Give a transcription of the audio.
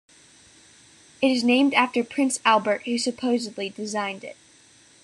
It is named after Prince Albert who supposedly designed it.